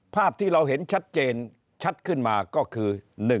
ภาพที่เราเห็นชัดเจนชัดขึ้นมาก็คือ